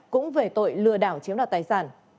cũng về tội lừa đảo chiếm đoạt tài sản